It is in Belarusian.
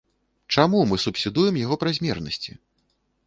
Чаму мы субсідуем яго празмернасці?